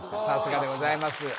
さすがでございます